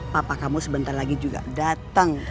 papa kamu sebentar lagi juga datang